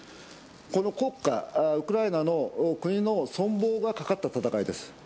国家ウクライナの国の存亡がかかった戦いです。